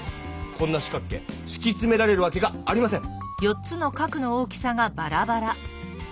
こんな四角形しきつめられるわけがありません。